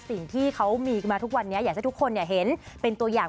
สิ่งที่เขามีกันมาทุกวันนี้อยากให้ทุกคนเห็นเป็นตัวอย่าง